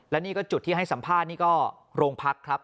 และนี่ก็จุดที่ให้สัมภาษณ์นี่ก็โรงพักครับ